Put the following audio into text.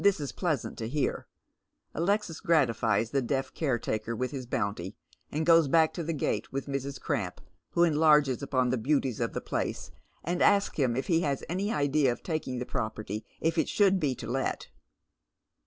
This is pleasant to hear. Alexis gratifies the deaf caretaker with his bounty, and goes back to the gate with Mrs. Cramp, who enlarges upon the beauties of the place, and asks him if he has any idea of taking the property if it should be to let.